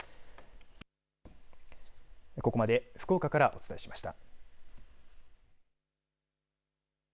ここまで福岡からお伝えしました。